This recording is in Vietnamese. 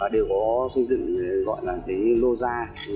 đều có xây dựng gọi là cái lô ra